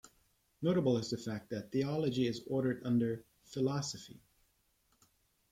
Notable is the fact that theology is ordered under 'Philosophy'.